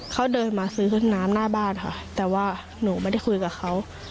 เขาเดินมาซื้อน้ำหน้าบ้านค่ะแต่ว่าหนูไม่ได้คุยกับเขา